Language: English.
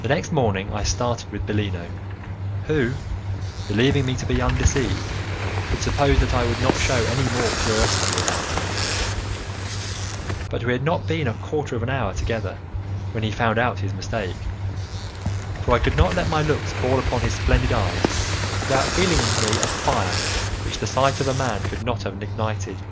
The next morning I started with Bellino, who, believing me to be undeceived, could suppose that I would not shew any more curiosity about him, but we had not been a quarter of an hour together when he found out his mistake, for I could not let my looks fall upon his splendid eyes without feeling in me a fire which the sight of a man could not have ignited.